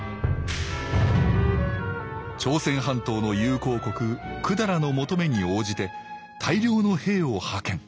朝鮮半島の友好国百済の求めに応じて大量の兵を派遣。